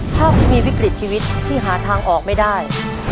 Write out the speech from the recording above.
ถ้าคุณมีวิกฤตชีวิตที่หาทางออกไม่ได้